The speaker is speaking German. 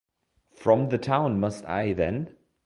From the town must I, then?